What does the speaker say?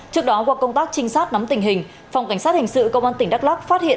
trước đó qua công tác trinh sát nắm tình hình phòng cảnh sát hình sự công an tỉnh đắk lắk phát hiện